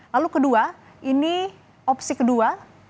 lalu kedua ini opsi kedua